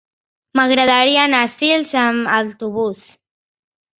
M'agradaria anar a Sils amb autobús.